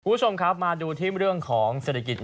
คุณผู้ชมครับมาดูที่เรื่องของเศรษฐกิจ